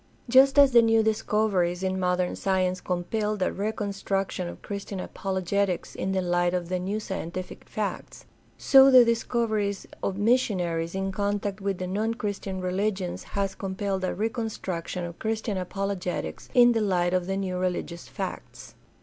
Just as the new discoveries in modern science compelled a reconstruction of Christian apologetics in the light of the new scientific facts, so the discoveries of missionaries in contact with the non Christian religions has compelled a reconstruction of Chris tian apologetics in the light of the new religious facts.